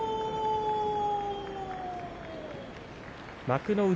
幕内